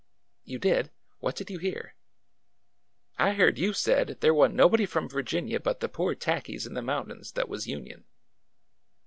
You did ! What did you hear ?" I heard you said there wasn't nobody from Virginia but the poor tackies in the mountains that was Union